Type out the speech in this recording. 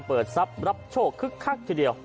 เปิดทรัพย์รับโชคครึกทีเดียว